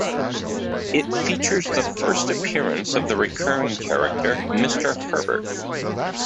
It features the first appearance of the recurring character Mr. Herbert.